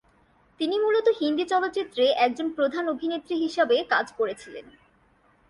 তিনি মুলত হিন্দি চলচ্চিত্রে একজন প্রধান অভিনেত্রী হিসাবে কাজ করেছিলেন।